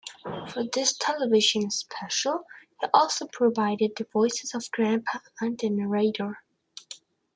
For this television special, he also provided the voices of Grandpa and the narrator.